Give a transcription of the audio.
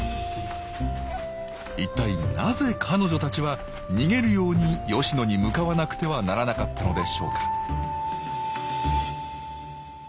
一体なぜ彼女たちは逃げるように吉野に向かわなくてはならなかったのでしょうか